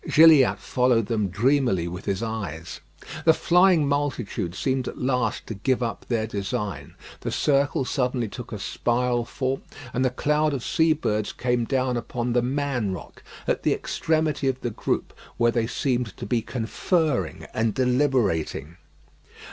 Gilliatt followed them dreamily with his eyes. The flying multitude seemed at last to give up their design. The circle suddenly took a spiral form, and the cloud of sea birds came down upon "The Man Rock" at the extremity of the group, where they seemed to be conferring and deliberating.